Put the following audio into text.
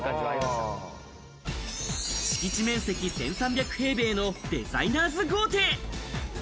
敷地面積１３００平米のデザイナーズ豪邸。